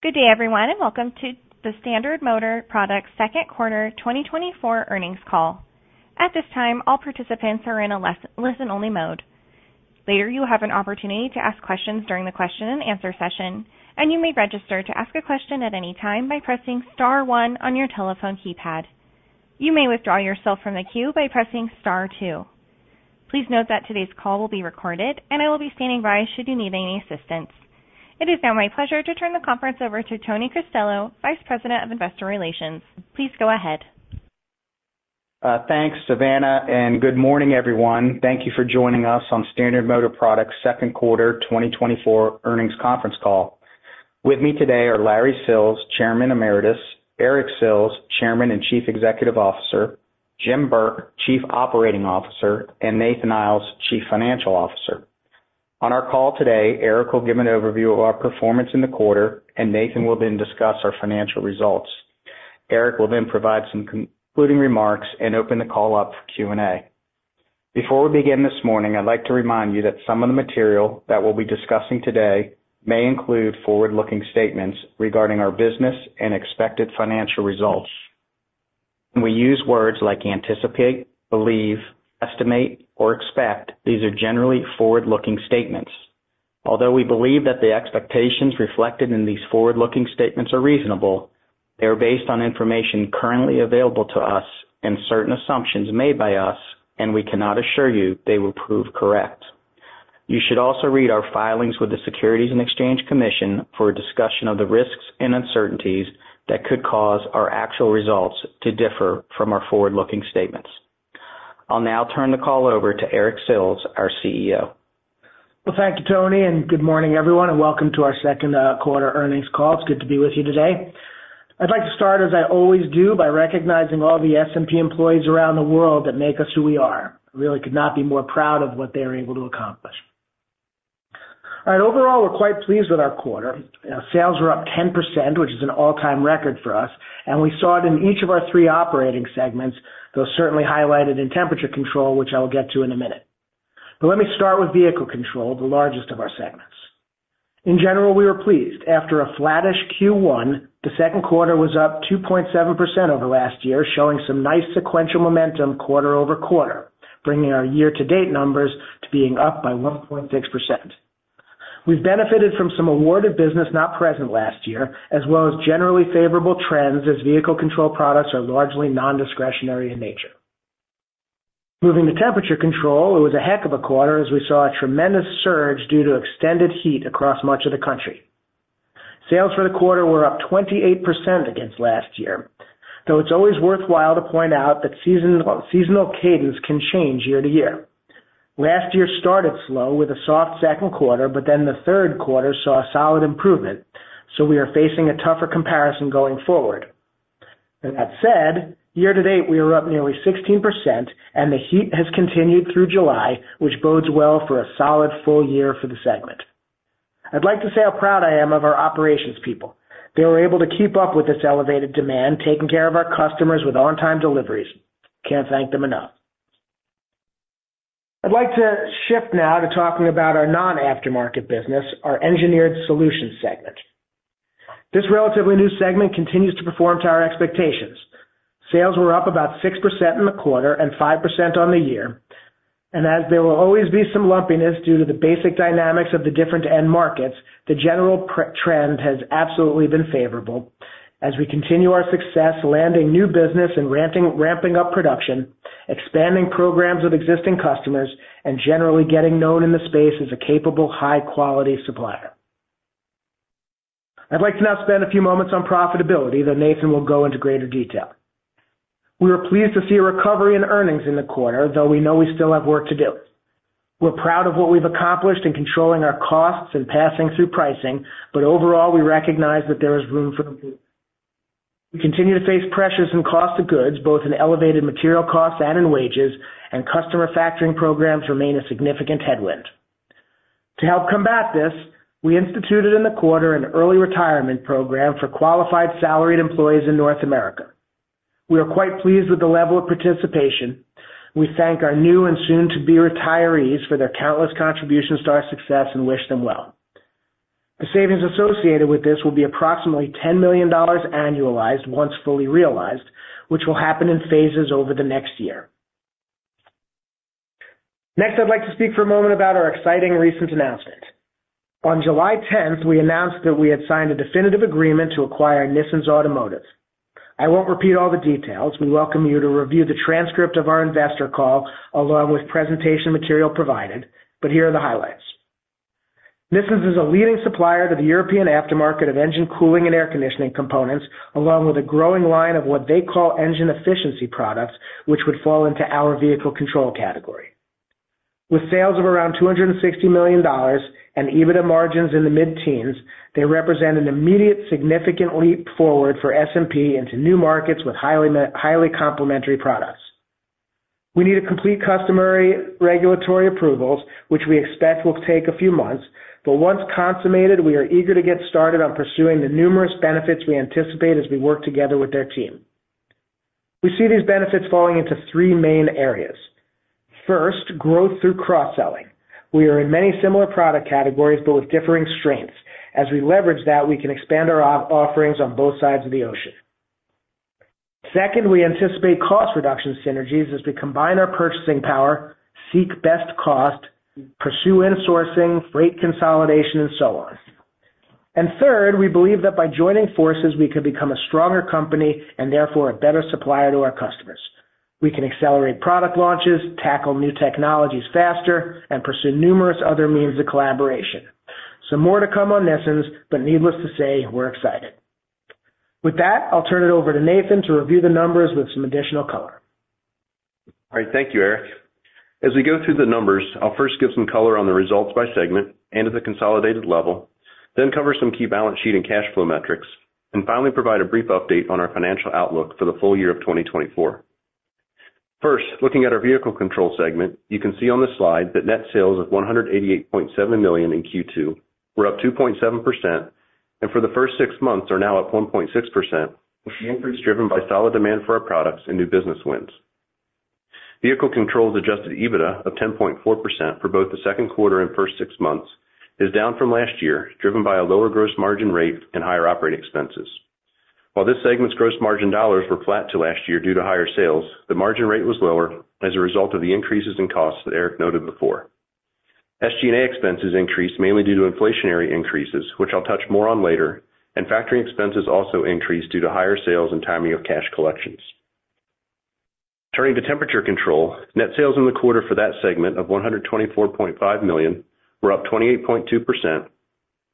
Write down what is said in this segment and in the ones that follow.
Good day, everyone, and welcome to the Standard Motor Products Second Quarter 2024 Earnings Call. At this time, all participants are in a listen-only mode. Later, you will have an opportunity to ask questions during the question-and-answer session, and you may register to ask a question at any time by pressing star one on your telephone keypad. You may withdraw yourself from the queue by pressing star two. Please note that today's call will be recorded, and I will be standing by should you need any assistance. It is now my pleasure to turn the conference over to Tony Cristello, Vice President of Investor Relations. Please go ahead. Thanks, Savannah, and good morning, everyone. Thank you for joining us on Standard Motor Products second quarter 2024 earnings conference call. With me today are Larry Sills, Chairman Emeritus, Eric Sills, Chairman and Chief Executive Officer, Jim Burke, Chief Operating Officer, and Nathan Iles, Chief Financial Officer. On our call today, Eric will give an overview of our performance in the quarter, and Nathan will then discuss our financial results. Eric will then provide some concluding remarks and open the call up for Q&A. Before we begin this morning, I'd like to remind you that some of the material that we'll be discussing today may include forward-looking statements regarding our business and expected financial results. When we use words like anticipate, believe, estimate, or expect, these are generally forward-looking statements. Although we believe that the expectations reflected in these forward-looking statements are reasonable, they are based on information currently available to us and certain assumptions made by us, and we cannot assure you they will prove correct. You should also read our filings with the Securities and Exchange Commission for a discussion of the risks and uncertainties that could cause our actual results to differ from our forward-looking statements. I'll now turn the call over to Eric Sills, our CEO. Well, thank you, Tony, and good morning, everyone, and welcome to our second quarter earnings call. It's good to be with you today. I'd like to start, as I always do, by recognizing all the SMP employees around the world that make us who we are. I really could not be more proud of what they are able to accomplish. All right, overall, we're quite pleased with our quarter. Sales were up 10%, which is an all-time record for us, and we saw it in each of our three operating segments, though certainly highlighted in Temperature Control, which I will get to in a minute. But let me start with Vehicle Control, the largest of our segments. In general, we were pleased. After a flattish Q1, the second quarter was up 2.7% over last year, showing some nice sequential momentum quarter-over-quarter, bringing our year-to-date numbers to being up by 1.6%. We've benefited from some awarded business not present last year, as well as generally favorable trends, as Vehicle Control products are largely non-discretionary in nature. Moving to Temperature Control, it was a heck of a quarter, as we saw a tremendous surge due to extended heat across much of the country. Sales for the quarter were up 28% against last year, though it's always worthwhile to point out that seasonal cadence can change year-to-year. Last year started slow with a soft second quarter, but then the third quarter saw a solid improvement, so we are facing a tougher comparison going forward. That said, year to date, we are up nearly 16%, and the heat has continued through July, which bodes well for a solid full year for the segment. I'd like to say how proud I am of our operations people. They were able to keep up with this elevated demand, taking care of our customers with on-time deliveries. Can't thank them enough. I'd like to shift now to talking about our non-aftermarket business, our Engineered Solutions segment. This relatively new segment continues to perform to our expectations. Sales were up about 6% in the quarter and 5% on the year, and as there will always be some lumpiness due to the basic dynamics of the different end markets, the general trend has absolutely been favorable, as we continue our success landing new business and ramping up production, expanding programs with existing customers, and generally getting known in the space as a capable, high-quality supplier. I'd like to now spend a few moments on profitability, though Nathan will go into greater detail. We are pleased to see a recovery in earnings in the quarter, though we know we still have work to do. We're proud of what we've accomplished in controlling our costs and passing through pricing, but overall, we recognize that there is room for improvement. We continue to face pressures in cost of goods, both in elevated material costs and in wages, and customer factoring programs remain a significant headwind. To help combat this, we instituted in the quarter an early retirement program for qualified salaried employees in North America. We are quite pleased with the level of participation. We thank our new and soon-to-be retirees for their countless contributions to our success and wish them well. The savings associated with this will be approximately $10 million annualized once fully realized, which will happen in phases over the next year. Next, I'd like to speak for a moment about our exciting recent announcement. On July 10th, we announced that we had signed a definitive agreement to acquire Nissens Automotive. I won't repeat all the details. We welcome you to review the transcript of our investor call along with presentation material provided, but here are the highlights. Nissens is a leading supplier to the European aftermarket of engine cooling and air conditioning components, along with a growing line of what they call engine efficiency products, which would fall into our Vehicle Control category. With sales of around $260 million and EBITDA margins in the mid-teens, they represent an immediate, significant leap forward for SMP into new markets with highly complementary products. We need to complete customary regulatory approvals, which we expect will take a few months, but once consummated, we are eager to get started on pursuing the numerous benefits we anticipate as we work together with their team. We see these benefits falling into three main areas. First, growth through cross-selling. We are in many similar product categories, but with differing strengths. As we leverage that, we can expand our offerings on both sides of the ocean. Second, we anticipate cost reduction synergies as we combine our purchasing power, seek best cost, pursue insourcing, freight consolidation, and so on. And third, we believe that by joining forces, we could become a stronger company and therefore a better supplier to our customers. We can accelerate product launches, tackle new technologies faster, and pursue numerous other means of collaboration. So more to come on Nissens, but needless to say, we're excited. With that, I'll turn it over to Nathan to review the numbers with some additional color. All right, thank you, Eric. As we go through the numbers, I'll first give some color on the results by segment and at the consolidated level, then cover some key balance sheet and cash flow metrics, and finally provide a brief update on our financial outlook for the full year of 2024. First, looking at our Vehicle Control segment, you can see on the slide that net sales of $188.7 million in Q2 were up 2.7%, and for the first six months are now at 1.6%, which is increased driven by solid demand for our products and new business wins. Vehicle Control's adjusted EBITDA of 10.4% for both the second quarter and first six months is down from last year, driven by a lower gross margin rate and higher operating expenses. While this segment's gross margin dollars were flat to last year due to higher sales, the margin rate was lower as a result of the increases in costs that Eric noted before. SG&A expenses increased mainly due to inflationary increases, which I'll touch more on later, and factoring expenses also increased due to higher sales and timing of cash collections. Turning to Temperature Control, net sales in the quarter for that segment of $124.5 million were up 28.2%,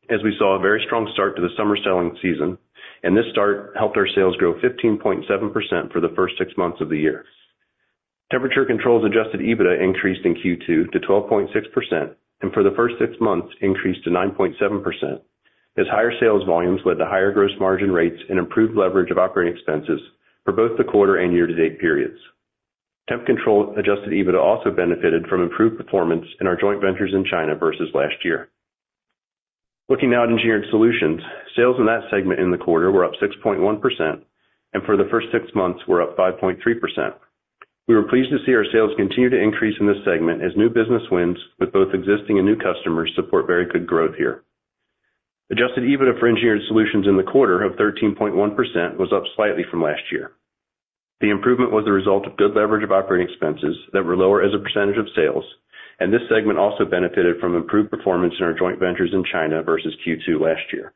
as we saw a very strong start to the summer selling season, and this start helped our sales grow 15.7% for the first six months of the year. Temperature Control's adjusted EBITDA increased in Q2 to 12.6%, and for the first six months, increased to 9.7%, as higher sales volumes led to higher gross margin rates and improved leverage of operating expenses for both the quarter and year-to-date periods. Temperature Control adjusted EBITDA also benefited from improved performance in our joint ventures in China versus last year. Looking now at Engineered Solutions, sales in that segment in the quarter were up 6.1%, and for the first six months, were up 5.3%. We were pleased to see our sales continue to increase in this segment as new business wins with both existing and new customers support very good growth here. Adjusted EBITDA for Engineered Solutions in the quarter of 13.1% was up slightly from last year. The improvement was the result of good leverage of operating expenses that were lower as a percentage of sales, and this segment also benefited from improved performance in our joint ventures in China versus Q2 last year.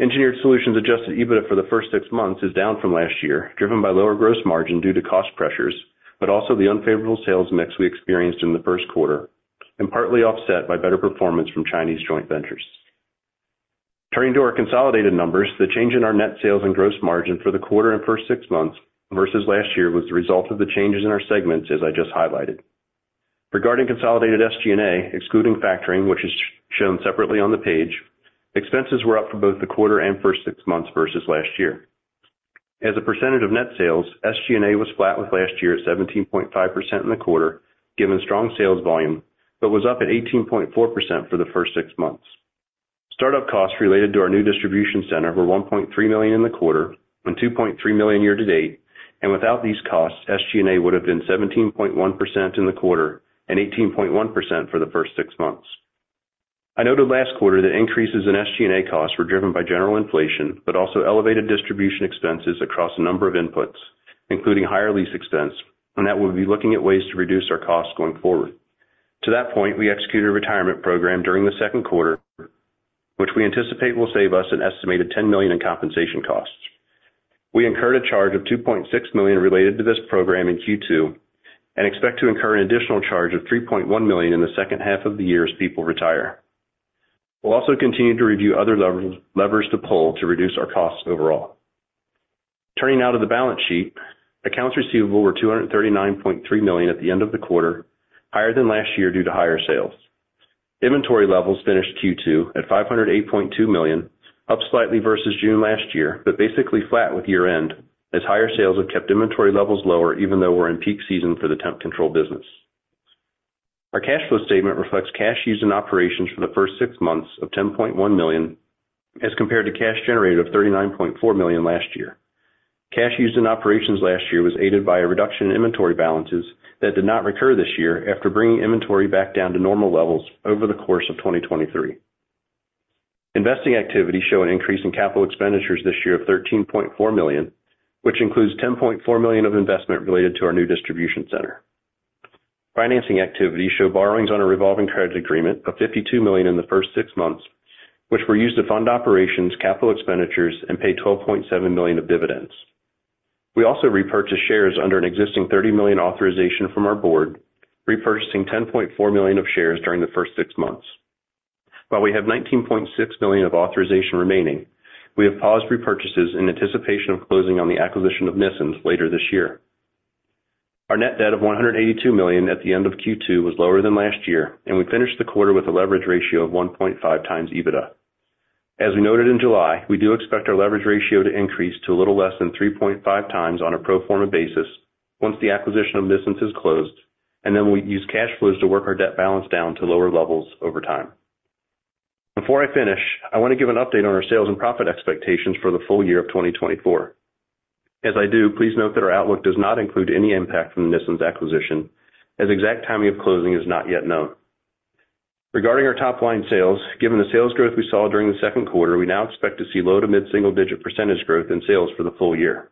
Engineered Solutions' adjusted EBITDA for the first six months is down from last year, driven by lower gross margin due to cost pressures, but also the unfavorable sales mix we experienced in the first quarter, and partly offset by better performance from Chinese joint ventures. Turning to our consolidated numbers, the change in our net sales and gross margin for the quarter and first six months versus last year was the result of the changes in our segments, as I just highlighted. Regarding consolidated SG&A, excluding factoring, which is shown separately on the page, expenses were up for both the quarter and first six months versus last year. As a percentage of net sales, SG&A was flat with last year at 17.5% in the quarter, given strong sales volume, but was up at 18.4% for the first six months. Startup costs related to our new distribution center were $1.3 million in the quarter and $2.3 million year-to-date, and without these costs, SG&A would have been 17.1% in the quarter and 18.1% for the first six months. I noted last quarter that increases in SG&A costs were driven by general inflation, but also elevated distribution expenses across a number of inputs, including higher lease expense, and that we'll be looking at ways to reduce our costs going forward. To that point, we executed a retirement program during the second quarter, which we anticipate will save us an estimated $10 million in compensation costs. We incurred a charge of $2.6 million related to this program in Q2 and expect to incur an additional charge of $3.1 million in the second half of the year as people retire. We'll also continue to review other levers to pull to reduce our costs overall. Turning now to the balance sheet, accounts receivable were $239.3 million at the end of the quarter, higher than last year due to higher sales. Inventory levels finished Q2 at $508.2 million, up slightly versus June last year, but basically flat with year-end, as higher sales have kept inventory levels lower even though we're in peak season for the temp control business. Our cash flow statement reflects cash used in operations for the first six months of $10.1 million as compared to cash generated of $39.4 million last year. Cash used in operations last year was aided by a reduction in inventory balances that did not recur this year after bringing inventory back down to normal levels over the course of 2023. Investing activity showed an increase in capital expenditures this year of $13.4 million, which includes $10.4 million of investment related to our new distribution center. Financing activity showed borrowings on a revolving credit agreement of $52 million in the first six months, which were used to fund operations, capital expenditures, and pay $12.7 million of dividends. We also repurchased shares under an existing $30 million authorization from our board, repurchasing $10.4 million of shares during the first six months. While we have $19.6 million of authorization remaining, we have paused repurchases in anticipation of closing on the acquisition of Nissens later this year. Our net debt of $182 million at the end of Q2 was lower than last year, and we finished the quarter with a leverage ratio of 1.5 times EBITDA. As we noted in July, we do expect our leverage ratio to increase to a little less than 3.5 times on a pro forma basis once the acquisition of Nissens is closed, and then we use cash flows to work our debt balance down to lower levels over time. Before I finish, I want to give an update on our sales and profit expectations for the full year of 2024. As I do, please note that our outlook does not include any impact from Nissens acquisition, as exact timing of closing is not yet known. Regarding our top-line sales, given the sales growth we saw during the second quarter, we now expect to see low- to mid-single-digit percentage growth in sales for the full year.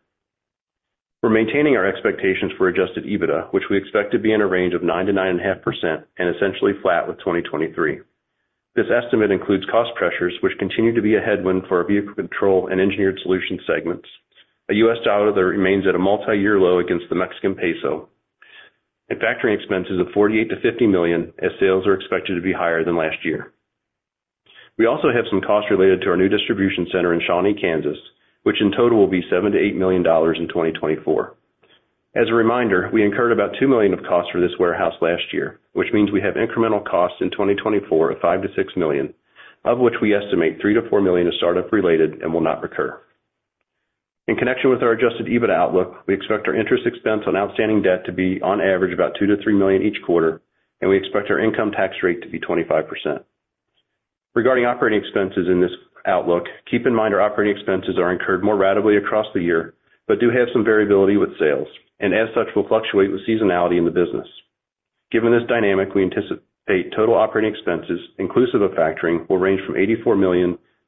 We're maintaining our expectations for adjusted EBITDA, which we expect to be in a range of 9%-9.5% and essentially flat with 2023. This estimate includes cost pressures, which continue to be a headwind for our Vehicle Control and Engineered Solutions segments. The U.S. dollar remains at a multi-year low against the Mexican peso, and factoring expenses of $48 million-$50 million, as sales are expected to be higher than last year. We also have some costs related to our new distribution center in Shawnee, Kansas, which in total will be $7 million-$8 million in 2024. As a reminder, we incurred about $2 million of costs for this warehouse last year, which means we have incremental costs in 2024 of $5 million-$6 million, of which we estimate $3 million-$4 million of startup-related and will not recur. In connection with our adjusted EBITDA outlook, we expect our interest expense on outstanding debt to be on average about $2 million-$3 million each quarter, and we expect our income tax rate to be 25%. Regarding operating expenses in this outlook, keep in mind our operating expenses are incurred more readily across the year, but do have some variability with sales, and as such, will fluctuate with seasonality in the business. Given this dynamic, we anticipate total operating expenses, inclusive of factoring, will range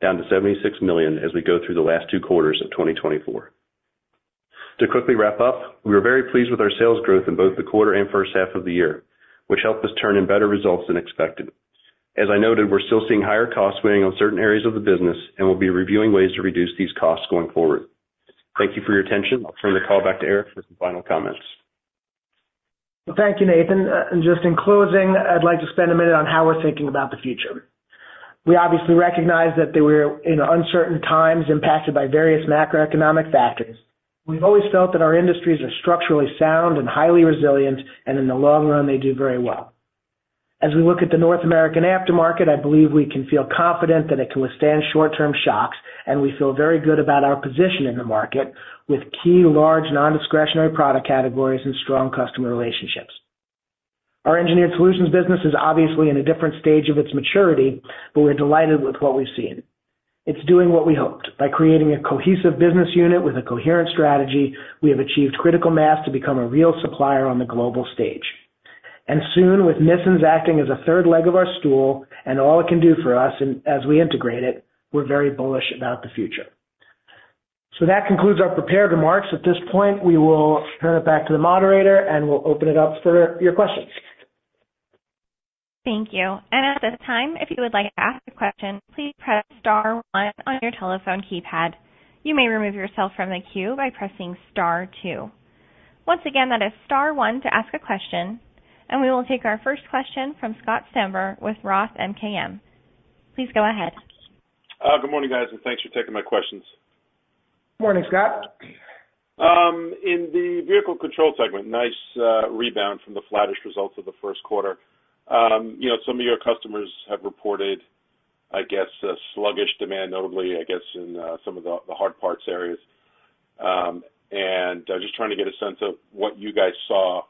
from $84 million-$76 million as we go through the last two quarters of 2024. To quickly wrap up, we are very pleased with our sales growth in both the quarter and first half of the year, which helped us turn in better results than expected. As I noted, we're still seeing higher costs weighing on certain areas of the business, and we'll be reviewing ways to reduce these costs going forward. Thank you for your attention. I'll turn the call back to Eric for some final comments. Well, thank you, Nathan. And just in closing, I'd like to spend a minute on how we're thinking about the future. We obviously recognize that we're in uncertain times impacted by various macroeconomic factors. We've always felt that our industries are structurally sound and highly resilient, and in the long run, they do very well. As we look at the North American aftermarket, I believe we can feel confident that it can withstand short-term shocks, and we feel very good about our position in the market with key large non-discretionary product categories and strong customer relationships. Our engineered solutions business is obviously in a different stage of its maturity, but we're delighted with what we've seen. It's doing what we hoped. By creating a cohesive business unit with a coherent strategy, we have achieved critical mass to become a real supplier on the global stage. Soon, with Nissens's acting as a third leg of our stool and all it can do for us as we integrate it, we're very bullish about the future. That concludes our prepared remarks. At this point, we will turn it back to the moderator, and we'll open it up for your questions. Thank you. At this time, if you would like to ask a question, please press star one on your telephone keypad. You may remove yourself from the queue by pressing star two. Once again, that is star one to ask a question, and we will take our first question from Scott Stember with Roth MKM. Please go ahead. Good morning, guys, and thanks for taking my questions. Good morning, Scott. In the Vehicle Control segment, nice rebound from the flattish results of the first quarter. Some of your customers have reported, I guess, sluggish demand, notably, I guess, in some of the hard parts areas. Just trying to get a sense of what you guys saw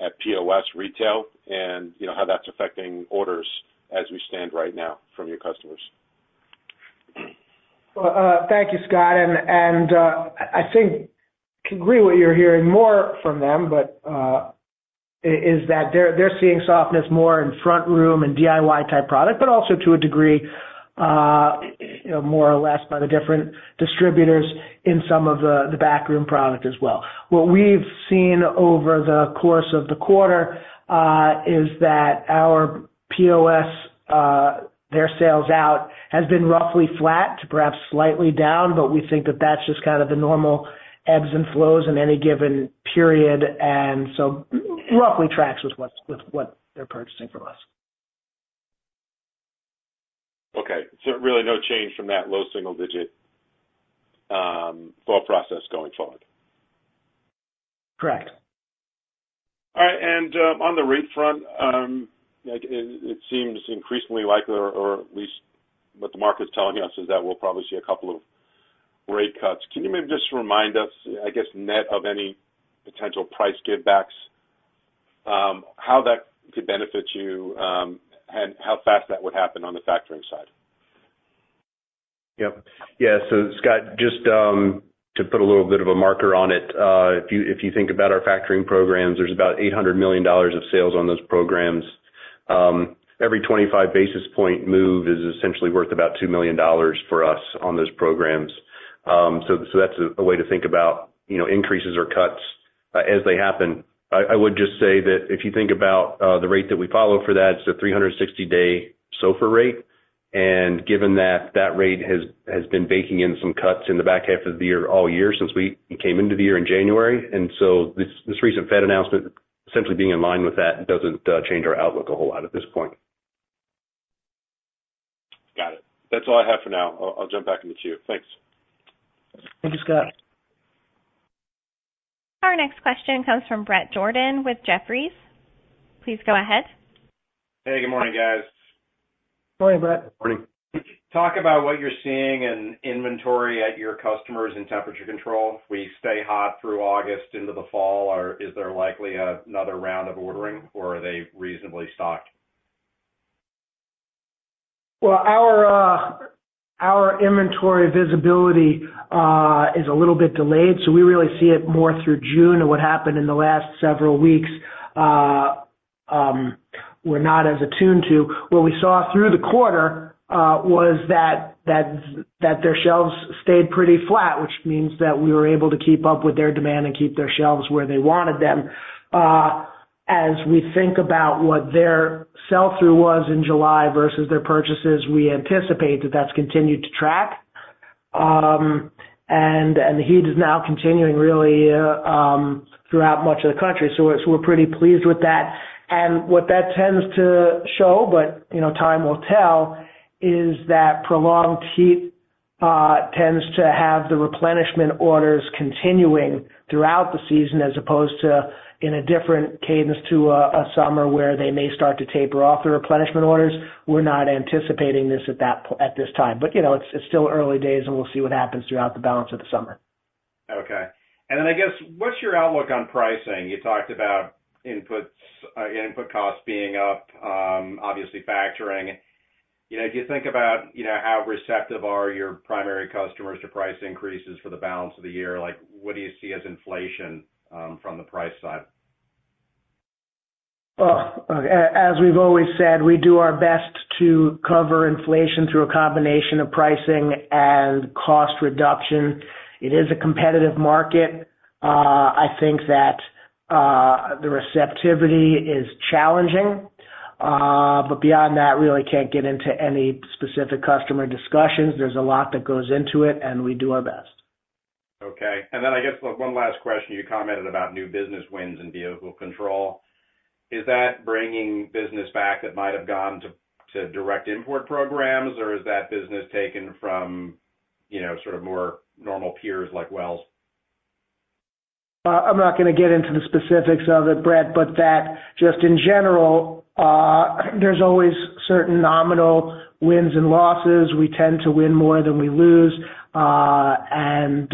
at POS retail and how that's affecting orders as we stand right now from your customers? Well, thank you, Scott. I think I can agree what you're hearing more from them, but is that they're seeing softness more in front room and DIY-type product, but also to a degree, more or less, by the different distributors in some of the backroom product as well. What we've seen over the course of the quarter is that our POS, their sales out, has been roughly flat to perhaps slightly down, but we think that that's just kind of the normal ebbs and flows in any given period, and so roughly tracks with what they're purchasing from us. Okay. Really no change from that low single-digit thought process going forward. Correct. All right. On the rate front, it seems increasingly likely, or at least what the market's telling us, is that we'll probably see a couple of rate cuts. Can you maybe just remind us, I guess, net of any potential price give-backs, how that could benefit you and how fast that would happen on the factoring side? Yeah. So Scott, just to put a little bit of a marker on it, if you think about our factoring programs, there's about $800 million of sales on those programs. Every 25 basis point move is essentially worth about $2 million for us on those programs. So that's a way to think about increases or cuts as they happen. I would just say that if you think about the rate that we follow for that, it's a 360-day SOFR rate, and given that that rate has been baking in some cuts in the back half of the year all year since we came into the year in January. And so this recent Fed announcement, essentially being in line with that, doesn't change our outlook a whole lot at this point. Got it. That's all I have for now. I'll jump back into queue. Thanks. Thank you, Scott. Our next question comes from Bret Jordan with Jefferies. Please go ahead. Hey, good morning, guys. Morning, Bret. Morning. Talk about what you're seeing in inventory at your customers in Temperature Control. If we stay hot through August into the fall, is there likely another round of ordering, or are they reasonably stocked? Well, our inventory visibility is a little bit delayed, so we really see it more through June. What happened in the last several weeks, we're not as attuned to. What we saw through the quarter was that their shelves stayed pretty flat, which means that we were able to keep up with their demand and keep their shelves where they wanted them. As we think about what their sell-through was in July versus their purchases, we anticipate that that's continued to track, and the heat is now continuing really throughout much of the country. So we're pretty pleased with that. And what that tends to show, but time will tell, is that prolonged heat tends to have the replenishment orders continuing throughout the season as opposed to in a different cadence to a summer where they may start to taper off the replenishment orders. We're not anticipating this at this time, but it's still early days, and we'll see what happens throughout the balance of the summer. Okay. And then I guess, what's your outlook on pricing? You talked about input costs being up, obviously factoring. Do you think about how receptive are your primary customers to price increases for the balance of the year? What do you see as inflation from the price side? Well, as we've always said, we do our best to cover inflation through a combination of pricing and cost reduction. It is a competitive market. I think that the receptivity is challenging, but beyond that, really can't get into any specific customer discussions. There's a lot that goes into it, and we do our best. Okay. And then I guess one last question. You commented about new business wins in Vehicle Control. Is that bringing business back that might have gone to direct import programs, or is that business taken from sort of more normal peers like Wells? I'm not going to get into the specifics of it, Bret, but that just in general, there's always certain nominal wins and losses. We tend to win more than we lose, and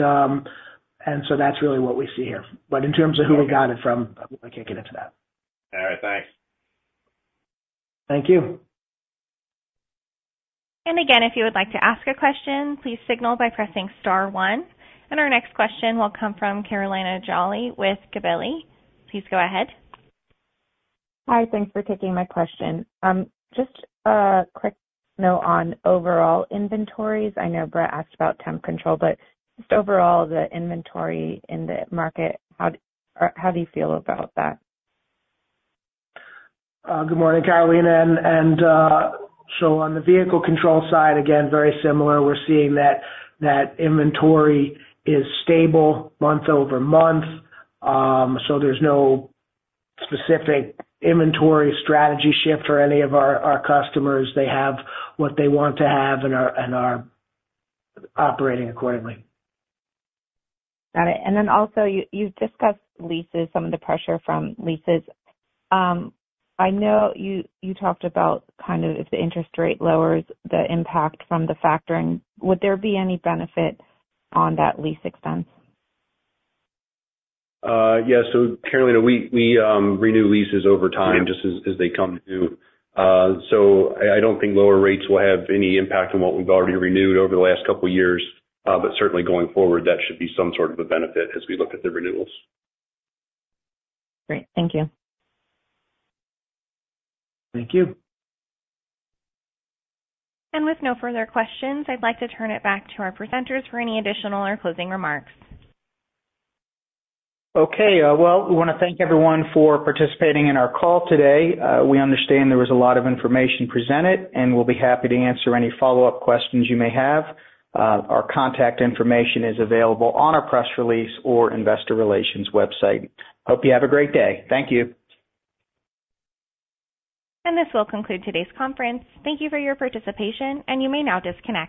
so that's really what we see here. But in terms of who we got it from, I can't get into that. All right. Thanks. Thank you. And again, if you would like to ask a question, please signal by pressing star one. And our next question will come from Carolina Jolly with Gabelli. Please go ahead. Hi. Thanks for taking my question. Just a quick note on overall inventories. I know Bret asked about temp control, but just overall, the inventory in the market, how do you feel about that? Good morning, Carolina. And so on the Vehicle Control side, again, very similar. We're seeing that inventory is stable month-over-month, so there's no specific inventory strategy shift for any of our customers. They have what they want to have and are operating accordingly. Got it. Then also, you've discussed leases, some of the pressure from leases. I know you talked about kind of if the interest rate lowers, the impact from the factoring. Would there be any benefit on that lease expense? Yeah. So Carolina, we renew leases over time just as they come new. So I don't think lower rates will have any impact on what we've already renewed over the last couple of years, but certainly going forward, that should be some sort of a benefit as we look at the renewals. Great. Thank you. Thank you. With no further questions, I'd like to turn it back to our presenters for any additional or closing remarks. Okay. Well, we want to thank everyone for participating in our call today. We understand there was a lot of information presented, and we'll be happy to answer any follow-up questions you may have. Our contact information is available on our press release or investor relations website. Hope you have a great day. Thank you. This will conclude today's conference. Thank you for your participation, and you may now disconnect.